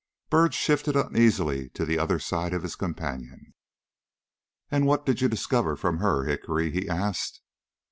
Byrd shifted uneasily to the other side of his companion. "And what did you discover from her, Hickory?" he asked.